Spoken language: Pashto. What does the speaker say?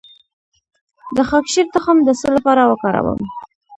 د خاکشیر تخم د څه لپاره وکاروم؟